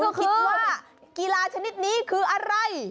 คือคิดว่ากีฬาชนิดนี้คืออะไร